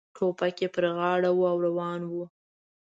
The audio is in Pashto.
ټوپک یې پر غاړه و او روان و.